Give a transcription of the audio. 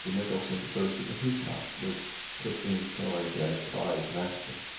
Nicholson, first of the Peacock, was put in charge as prize master.